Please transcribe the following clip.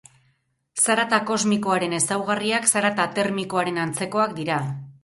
Zarata kosmikoaren ezaugarriak zarata termikoaren antzekoak dira.